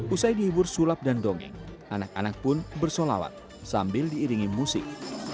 usai dihibur sulap dan dongeng anak anak pun bersolawat sambil diiringi musik